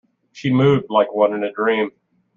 She moved like one in a dream.